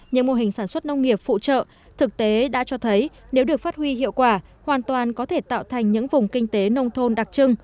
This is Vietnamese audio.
những mô hình sản xuất nông nghiệp phụ trợ thực tế đã cho thấy nếu được phát huy hiệu quả hoàn toàn có thể tạo thành những vùng kinh tế nông thôn đặc trưng